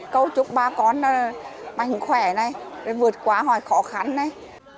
câu chúc bà con mạnh khỏe này vượt qua hỏi khó khăn này